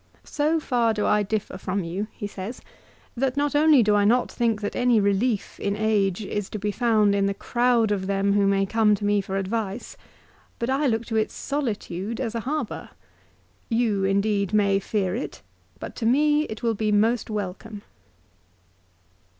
" So far do I differ from you," he says, " that not only do I not think that any relief in age is to be found in the crowd of them who may come to me for advice, but I look to its solitude as a harbour. You indeed may fear it, but to me it will be most welcome."